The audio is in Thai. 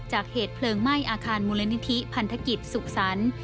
จากเหตุเพลิงไหม้อาคารมูลนิธิพันธกิจสุขสรรค์